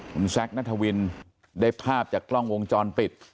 คุณแซคนัทวินได้ภาพจากกล้องวงจรปิด